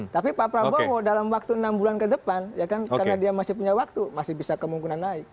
tapi pak prabowo dalam waktu enam bulan ke depan ya kan karena dia masih punya waktu masih bisa kemungkinan naik